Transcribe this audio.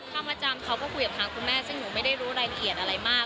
มาจำเขาก็คุยกับทางคุณแม่ซึ่งหนูไม่ได้รู้รายละเอียดอะไรมาก